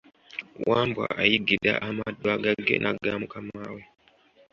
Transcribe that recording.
Wambwa ayiggira amaddu agage n'agamukamaawe.